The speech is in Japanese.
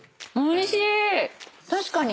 確かに。